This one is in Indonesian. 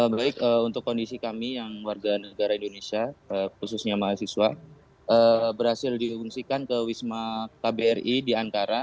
baik untuk kondisi kami yang warga negara indonesia khususnya mahasiswa berhasil diungsikan ke wisma kbri di ankara